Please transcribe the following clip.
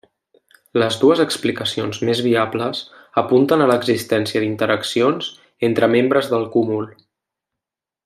Les dues explicacions més viables apunten a l'existència d'interaccions entre membres del cúmul.